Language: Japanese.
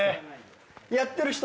やってる人？